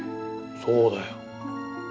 そうだよ。